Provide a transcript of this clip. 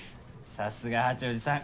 さすが八王子さん